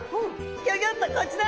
ギョギョッとこちら！